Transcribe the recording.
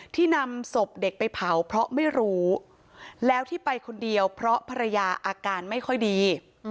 นำศพเด็กไปเผาเพราะไม่รู้แล้วที่ไปคนเดียวเพราะภรรยาอาการไม่ค่อยดี